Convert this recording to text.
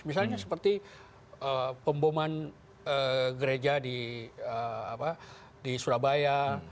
misalnya seperti pemboman gereja di surabaya